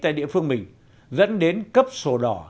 tại địa phương mình dẫn đến cấp sổ đỏ